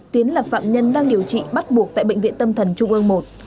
tiến là phạm nhân đang điều trị bắt buộc tại bệnh viện tâm thần trung ương một